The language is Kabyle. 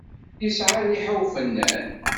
Yesɛa rriḥa ufennan.